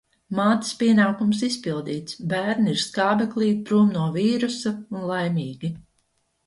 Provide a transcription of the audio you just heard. Mātes pienākums izpildīts – bērni ir skābeklī, prom no vīrusa un laimīgi.